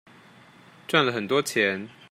賺了很多錢